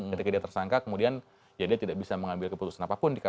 ketika dia tersangka kemudian ya dia tidak bisa mengambil keputusan apapun di kpk